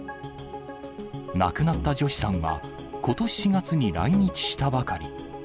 亡くなったジョシさんは、ことし４月に来日したばかり。